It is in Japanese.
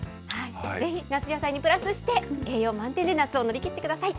ぜひ夏野菜にプラスして、栄養満点で夏を乗り切ってください。